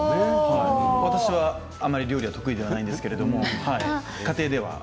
私は、あまり料理は得意じゃないんですけれど家庭では。